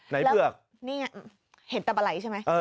ไหนเพือกนี่เห็นแต่ปะไหลใช่ไหม